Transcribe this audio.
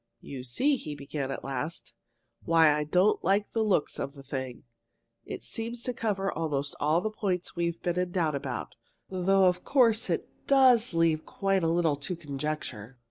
"You see," he began at last, "why I don't like the looks of the thing. This seems to cover almost all the points we've been in doubt about, though of course, it does leave quite a little to conjecture.